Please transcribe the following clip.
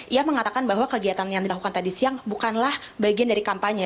ia mengatakan bahwa kegiatan yang dilakukan tadi siang bukanlah bagian dari kampanye